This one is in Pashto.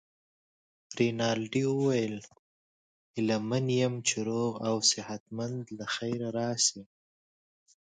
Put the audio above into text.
رینالډي وویل: هیله من یم چي روغ او صحت مند له خیره راشې.